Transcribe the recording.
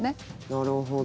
なるほど。